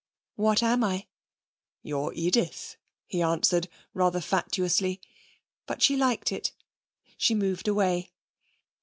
'What am I?' 'You're Edith,' he answered, rather fatuously. But she liked it. She moved away.